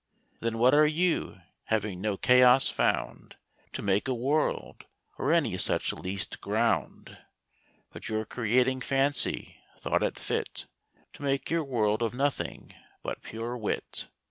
Then what are You, having no Chaos found To make a World, or any such least ground? But your Creating Fancy, thought it fit To make your World of Nothing, but pure Wit.